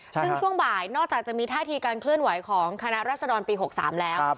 ซึ่งช่วงบ่ายนอกจากจะมีท่าทีการเคลื่อนไหวของคณะรัศดรปี๖๓แล้ว